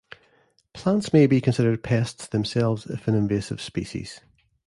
Plants may be considered pests themselves if an invasive species.